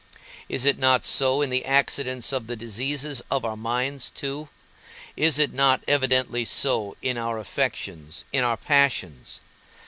Is it not so in the accidents of the diseases of our mind too? Is it not evidently so in our affections, in our passions?